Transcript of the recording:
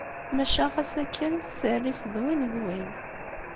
Maca ɣas akken, sser-is d win d win.